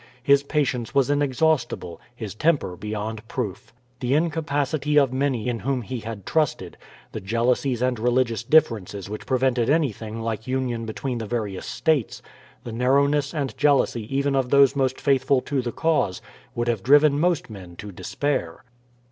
His patience was inexhaustible, his temper beyond proof. The incapacity of many in whom he had trusted, the jealousies and religious differences which prevented anything like union between the various states, the narrowness and jealousy even of those most faithful to the cause, would have driven most men to despair.